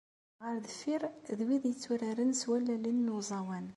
Ɣer deffir, d wid yetturaren s wallalen n uẓawan.